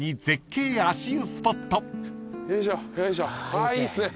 あいいっすね。